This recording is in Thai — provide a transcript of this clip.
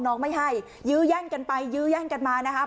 น้องไม่ให้ยื้อแย่งกันไปยื้อแย่งกันมานะครับ